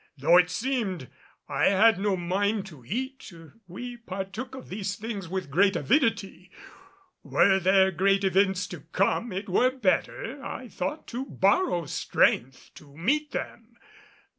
Though it had seemed I had no mind to eat, we all partook of these things with great avidity. Were there great events to come, it were better, I thought, to borrow strength to meet them.